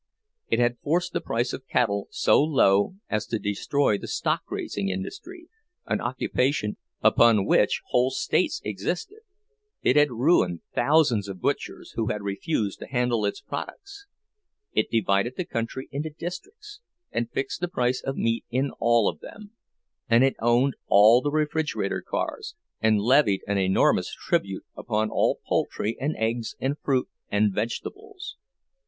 It had forced the price of cattle so low as to destroy the stock raising industry, an occupation upon which whole states existed; it had ruined thousands of butchers who had refused to handle its products. It divided the country into districts, and fixed the price of meat in all of them; and it owned all the refrigerator cars, and levied an enormous tribute upon all poultry and eggs and fruit and vegetables.